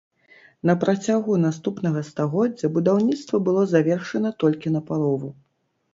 На працягу наступнага стагоддзя будаўніцтва было завершана толькі напалову.